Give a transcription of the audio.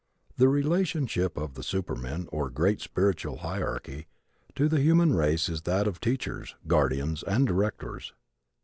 The relationship of the supermen, or great spiritual hierarchy, to the human race is that of teachers, guardians and directors.